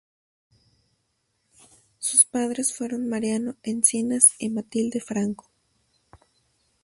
Sus padres fueron Mariano Encinas y Matilde Franco.